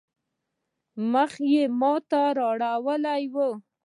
مخ يې ما ته رااړولی وو.